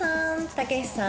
たけしさん